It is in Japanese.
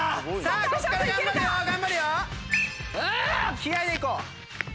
気合でいこう。